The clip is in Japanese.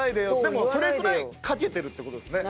でもそれぐらい懸けてるって事ですね。